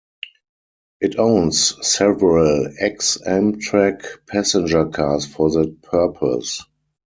It owns several ex-Amtrak passenger cars for that purpose.